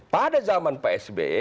pada zaman pak sbe